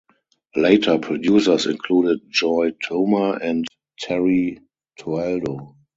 Later producers included Joy Toma and Terry Toaldo.